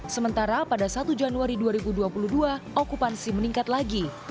sementara pada satu januari dua ribu dua puluh dua okupansi meningkat lagi